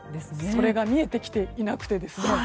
それが見えてきていなくてですね。